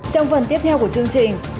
trong phần tiếp theo của chương trình